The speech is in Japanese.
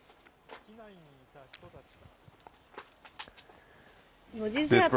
機内にいた人たちは。